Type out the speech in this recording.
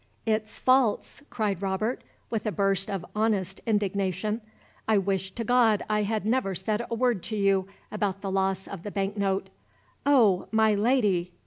"It's false!" cried Robert, with a burst of honest indignation. "I wish to God I had never said a word to you about the loss of the bank note! Oh, my Lady!